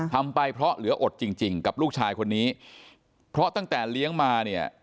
ทำไปเพราะเหลืออดจริงจริงกับลูกชายคนนี้เพราะตั้งแต่เลี้ยงมาเนี่ย